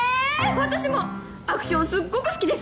私もアクションすっごく好きです！